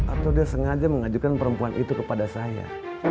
atau dia sengaja mengajukan perempuan itu kepada saya